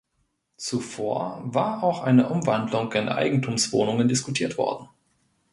Zuvor war auch eine Umwandlung in Eigentumswohnungen diskutiert worden.